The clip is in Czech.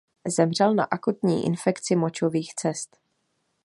Zemřel na akutní infekci močových cest.